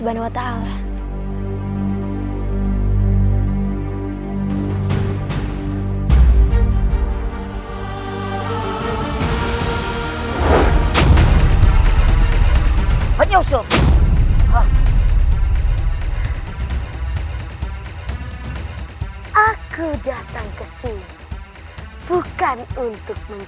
aku akan memberikan kesempatan itu padamu